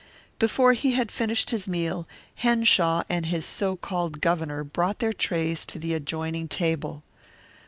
Before he had finished his meal Henshaw and his so called Governor brought their trays to the adjoining table.